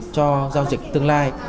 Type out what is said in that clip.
cho giao dịch tương lai